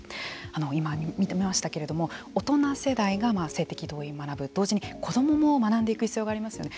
今、見ましたけれども大人世代が性的同意を学ぶと同時に子どもも学んでいく必要がありますよね。